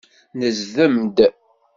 Nezdem-d.